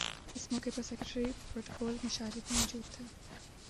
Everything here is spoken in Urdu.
اس موقع پر سیکریٹری پروٹوکول مشاری بھی موجود تھے